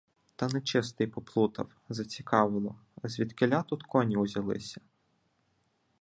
— Та нечистий поплутав, зацікавило — звідкіля тут коні узялися?